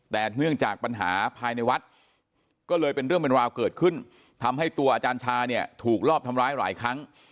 แต่เนื่องจากปัญหาภายในวัดก็เลยเป็นเรื่องเป็นราวเกิดขึ้นทำให้ตัวอาจารย์ชาเนี่ยถูกรอบทำร้ายหลายครั้ง